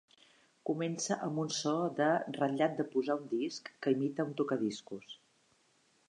Comença amb un so de "ratllat de posar un disc" que imita un tocadiscos.